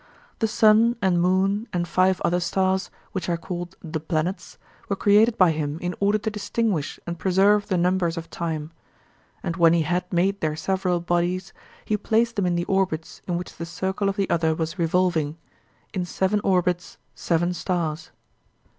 The sun and moon and five other stars, which are called the planets, were created by him in order to distinguish and preserve the numbers of time; and when he had made their several bodies, he placed them in the orbits in which the circle of the other was revolving,—in seven orbits seven stars.